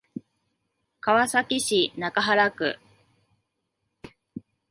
川崎市中原区